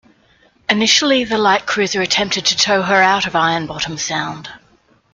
Initially, the light cruiser attempted to tow her out of Ironbottom Sound.